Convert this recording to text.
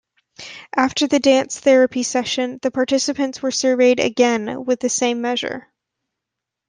After the dance therapy session, the participants were surveyed again with the same measure.